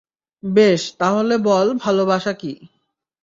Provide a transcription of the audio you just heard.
বেশ, তাহলে বল ভালোবাসা কী?